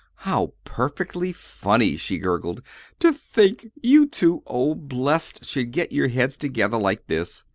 How perfectly funny!" she gurgled. "To think you two old blesseds should get your heads together like this!"